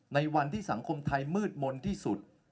ในวันที่สังคมไทยมืดมนต์ที่สุด